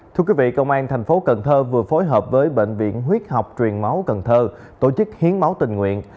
thưa quý vị công an thành phố cần thơ vừa phối hợp với bệnh viện huyết học truyền máu cần thơ tổ chức hiến máu tình nguyện